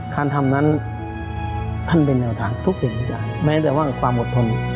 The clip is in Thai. การทำนั้นท่านเป็นแนวทางทุกสิ่งทุกอย่างแม้แต่ว่าความอดทน